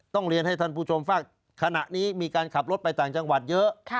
เรียนให้ท่านผู้ชมฟังขณะนี้มีการขับรถไปต่างจังหวัดเยอะ